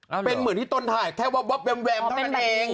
มันเหมือนต้นทายแค่เว้บแต่ตอนนี้